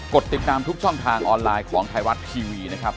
ดติดตามทุกช่องทางออนไลน์ของไทยรัฐทีวีนะครับ